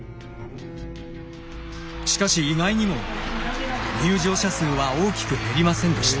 しかし意外にも入場者数は大きく減りませんでした。